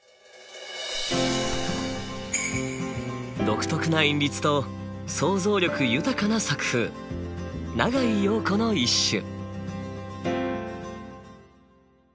独特な韻律と創造力豊かな作風永井陽子の一首。